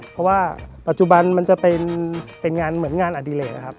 เพราะว่าปัจจุบันมันจะเป็นงานเหมือนงานอดิเลกนะครับ